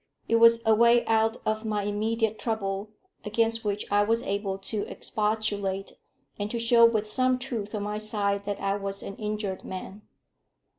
It was a way out of my immediate trouble against which I was able to expostulate, and to show with some truth on my side that I was an injured man.